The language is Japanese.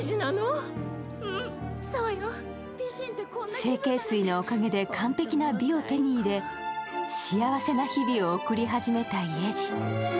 整形水のおかげで完璧な美を手に入れ、幸せな日々を送り始めたイェジ。